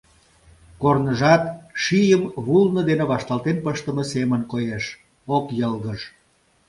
Корныжат шийым вулно дене вашталтен пыштыме семын коеш, ок йылгыж.